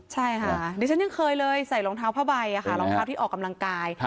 ใช่ค่ะดิฉันยังเคยเลยใส่รองเท้าผ้าใบรองเท้าที่ออกกำลังกาย